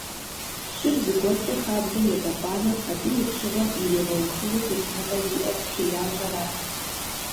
Пщыр зыгуэркӏэ хабзэм ебэкъуамэ, абы и пщыгъуэр иригъэухыну хуитыныгъэ зиӀэр хеящӀэрат.